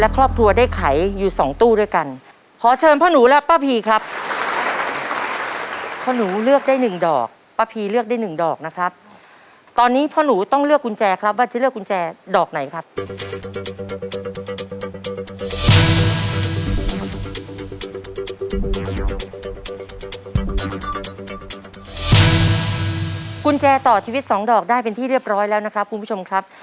กุญแจต่อชีวิตสองดอกได้เป็นที่เรียบร้อยแล้วนะครับคุณผู้ชมครับ